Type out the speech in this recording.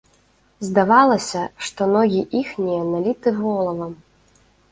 Здавалася, што ногі іхнія наліты волавам.